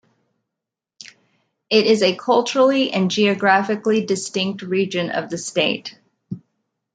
It is a culturally and geographically distinct region of the state.